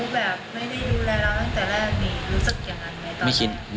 แบบไม่ได้ดูแลเราตั้งแต่แรกนี่รู้สึกอย่างนั้นไหมตอนนั้น